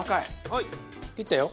はい切ったよ。